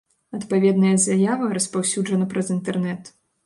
Адпаведная заява распаўсюджана праз інтэрнет.